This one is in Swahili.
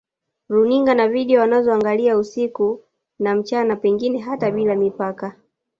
Runinga na Video wanazoangalia usiku na mchana pengine hata bila mipaka